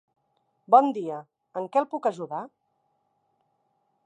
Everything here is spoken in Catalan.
Bon dia, en què el puc ajudar?